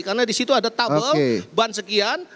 karena di situ ada tabel ban sekian